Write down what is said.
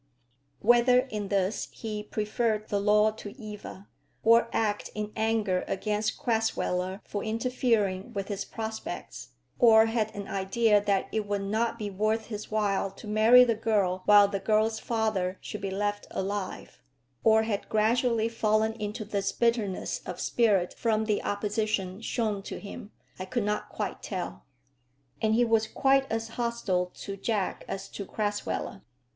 Whether in this he preferred the law to Eva, or acted in anger against Crasweller for interfering with his prospects, or had an idea that it would not be worth his while to marry the girl while the girl's father should be left alive, or had gradually fallen into this bitterness of spirit from the opposition shown to him, I could not quite tell. And he was quite as hostile to Jack as to Crasweller.